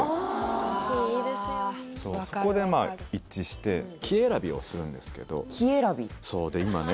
そこでまあ一致して木選びをするんですけどそうで今ね